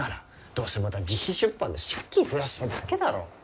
どうせまた自費出版で借金増やしただけだろ。